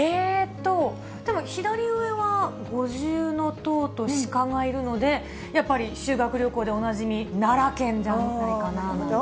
でも左上は五重塔とシカがいるので、やっぱり修学旅行でおなじみ、奈良県じゃないかななんて。